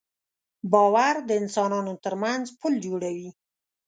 باور د انسانانو تر منځ پُل جوړوي.